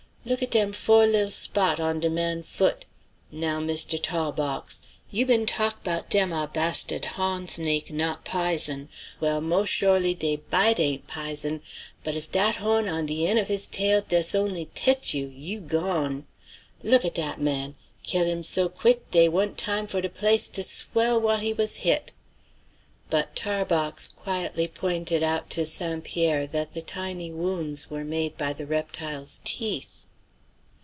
Look at dem fo' li'l' spot' on de man' foot! Now, Mistoo Tah bawx! You been talk' 'bout dem ah bahsta'd hawn snake not pizen! Well, mos' sholy dey bite ain't pizen; but if dat hawn on de een of his tail dess on'y tetch you, you' gone! Look at dat man! Kill' him so quick dey wa'n't time for de place to swell whah he was hit!" But Tarbox quietly pointed out to St. Pierre that the tiny wounds were made by the reptile's teeth.